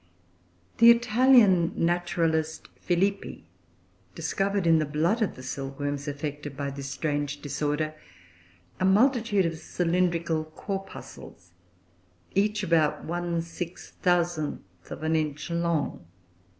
] The Italian naturalist, Filippi, discovered in the blood of the silkworms affected by this strange disorder a multitude of cylindrical corpuscles, each about 1/6000th of an inch long.